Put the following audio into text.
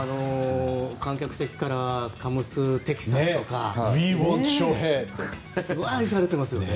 観客席からカモンテキサスとかすごい愛されてますね。